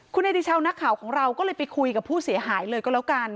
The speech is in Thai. คุณเนติชาวนักข่าวของเราก็เลยไปคุยกับผู้เสียหายเลยก็แล้วกัน